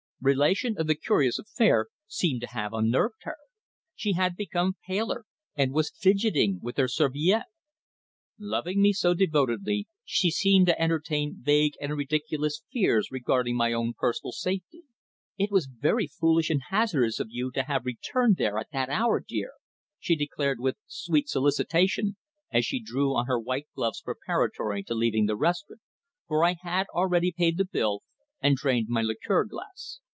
Relation of the curious affair seemed to have unnerved her. She had become paler and was fidgeting with her serviette. Loving me so devotedly, she seemed to entertain vague and ridiculous fears regarding my own personal safety. "It was very foolish and hazardous of you to have returned there at that hour, dear," she declared with sweet solicitation, as she drew on her white gloves preparatory to leaving the restaurant, for I had already paid the bill and drained my liqueur glass.